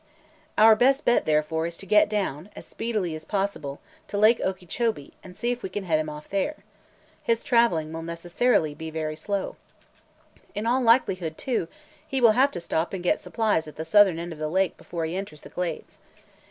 "Our best bet, therefore, is to get down, as speedily as possible, to Lake Okeechobee and see if we can head him off there. His traveling will necessarily be very slow. In all likelihood, too, he will have to stop and get supplies at the southern end of the lake before he enters the Glades.